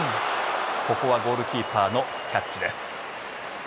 ここはゴールキーパーのキャッチです。